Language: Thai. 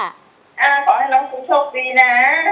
ขอให้ร้องคุณโชคดีนะ